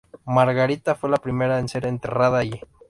Margarita fue la primera en ser enterrada allí.